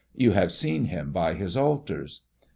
You have seen him by his altars.